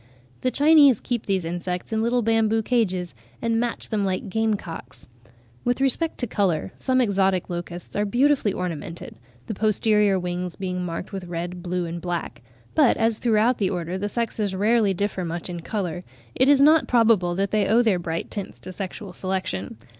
The Chinese keep these insects in little bamboo cages, and match them like game cocks. (45. Westwood, 'Modern Classification of Insects,' vol. i. p. 427; for crickets, p. 445.) With respect to colour, some exotic locusts are beautifully ornamented; the posterior wings being marked with red, blue, and black; but as throughout the Order the sexes rarely differ much in colour, it is not probable that they owe their bright tints to sexual selection.